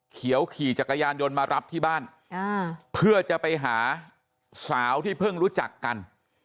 เขียวขี่จักรยานยนต์มารับที่บ้านเพื่อจะไปหาสาวที่เพิ่งรู้จักกัน